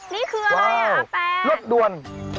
นี่คืออะไรอ่ะแปรรถด่วน